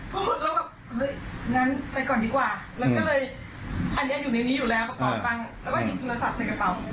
ปุ๊บแพ้งโอ๊ชแล้วแบบ